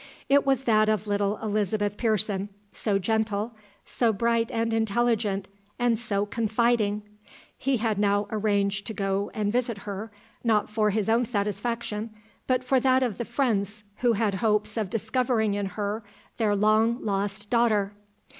It was that of little Elizabeth Pearson, so gentle, so bright and intelligent, and so confiding! He had now arranged to go and visit her, not for his own satisfaction, but for that of the friends who had hopes of discovering in her their long lost daughter.